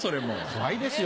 怖いですよ